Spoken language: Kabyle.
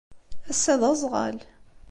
Ass-a d aẓɣal.